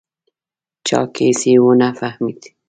چاکېس یې و نه فهمېد.